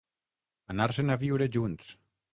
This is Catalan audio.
Anar-se'n a viure junts.